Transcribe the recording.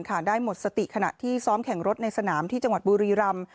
ได้หมดสติขณะที่ซ้อมแข่งรถในสนามที่จังหวัดบุรีรำ